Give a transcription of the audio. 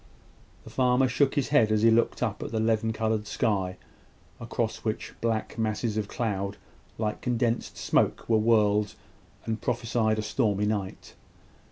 The farmer shook his head as he looked up at the leaden coloured sky, across which black masses of cloud, like condensed smoke, were whirled, and prophesied a stormy night.